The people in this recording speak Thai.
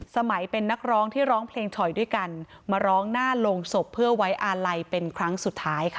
สมัยเป็นนักร้องที่ร้องเพลงถอยด้วยกันมาร้องหน้าโรงศพเพื่อไว้อาลัยเป็นครั้งสุดท้ายค่ะ